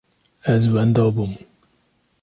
Ez wenda bûm.